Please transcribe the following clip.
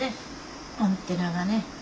アンテナがね。